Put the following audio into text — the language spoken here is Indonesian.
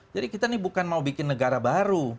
jadi kita ini bukan mau bikin negara baru